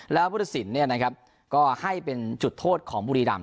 แล้วพุทธศิลป์ก็ให้เป็นจุดโทษของบุรีรำ